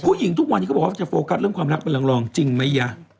ผู้หญิงทุกวันนี้เขาบอกว่าจะโฟกัสเรื่องความรักเป็นรองจริงไหมยะ